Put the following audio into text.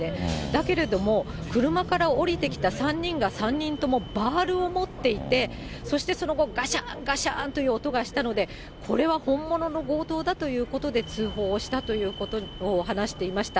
だけれども、車から降りてきた３人が３人ともバールを持っていて、そしてその後、ガシャーン、ガシャーンと音がしたので、これは本物の強盗だということで通報をしたということを話していました。